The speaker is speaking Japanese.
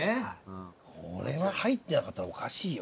これは入ってなかったらおかしいよ。